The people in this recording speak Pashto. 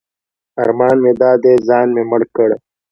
ارمان مې دا دی ځان مې مړ کړ.